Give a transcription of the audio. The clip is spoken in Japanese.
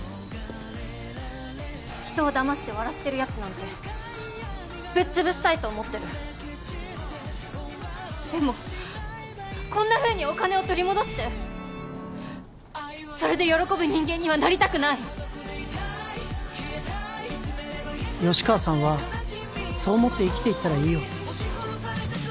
人をだまして笑ってるやつなんてぶっ潰したいと思ってるでもこんなふうにお金を取り戻してそれで喜ぶ人間にはなりたくない吉川さんはそう思って生きていったらいいよ